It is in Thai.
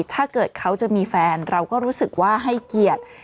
ถ้าเกิดเขาจะมีแฟนเราก็รู้สึกว่าให้เกียรติ